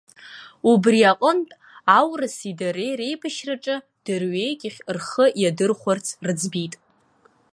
Убри аҟнытә аурыси дареи реибашьраҿы дырҩегьых рхы иадырхәарц рыӡбит.